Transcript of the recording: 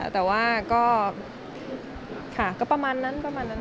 แต่ว่าก็ค่ะก็ประมาณนั้น